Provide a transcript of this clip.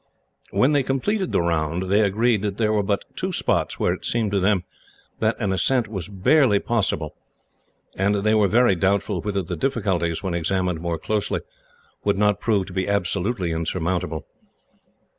When they completed the round, they agreed that there were but two spots where it seemed to them that an ascent was barely possible, and they were very doubtful whether the difficulties, when examined more closely, would not prove to be absolutely insurmountable.